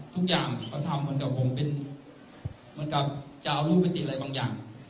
ทุกอย่างเขาทำเหมือนกับผมเป็นเหมือนกับจะเอารูปไปติดอะไรบางอย่าง